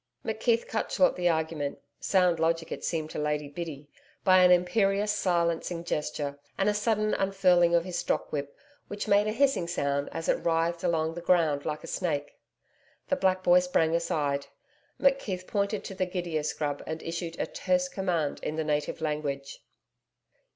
McKeith cut short the argument sound logic it seemed to Lady Biddy by an imperious, silencing gesture, and a sudden unfurling of his stockwhip, which made a hissing sound as it writhed along the ground like a snake. The black boy sprang aside. McKeith pointed to the gidia scrub and issued a terse command in the native language.